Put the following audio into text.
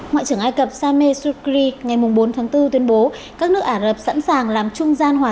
ngoại trưởng ai cập sameh sukri ngày bốn tháng bốn tuyên bố các nước ả rập sẵn sàng làm trung gian hòa